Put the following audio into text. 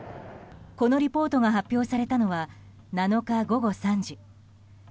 このリポートが発表されたのは７日午後３時。